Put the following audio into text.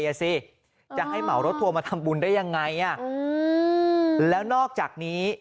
อ่ะสิจะให้เหมารถทัวร์มาทำบุญได้ยังไงอ่ะอืมแล้วนอกจากนี้